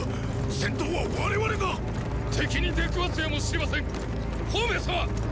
先頭は我々がっ！敵に出くわすやもしれません鳳明様！